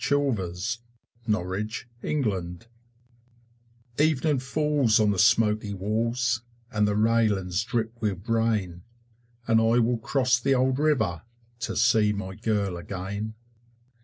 BALLAD OF THE LONDONER Evening falls on the smoky walls, And the railings drip with rain, And I will cross the old river To see my girl again.